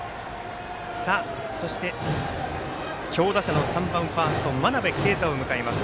そして、強打者の３番ファースト真鍋慧を迎えます。